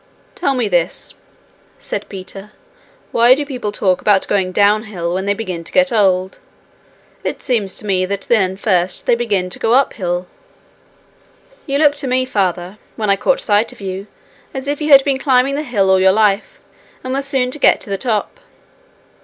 'Tell me this,' said Peter, 'why do people talk about going downhill when they begin to get old? It seems to me that then first they begin to go uphill.' 'You looked to me, Father, when I caught sight of you, as if you had been climbing the hill all your life, and were soon to get to the top.'